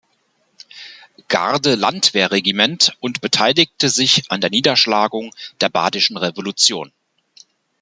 Garde-Landwehr-Regiment und beteiligte sich an der Niederschlagung der Badischen Revolution.